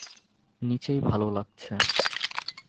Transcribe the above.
নিচেই ভালো লাগছে।